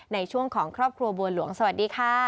ในช่วงของครอบครัวบัวหลวงสวัสดีค่ะ